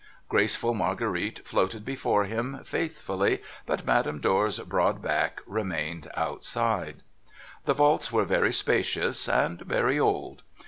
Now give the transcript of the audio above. Graceful Marguerite floated before him faithfully, but Madame Dor's broad back remained outside. The vaults were very spacious, and very old.